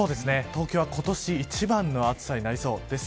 東京は今年一番の暑さになりそうです。